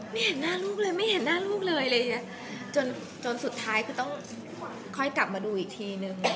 ไม่เห็นหน้าลูกเลยไม่เห็นหน้าลูกเลยจนสุดท้ายคือต้องค่อยกลับมาดูอีกทีหนึ่ง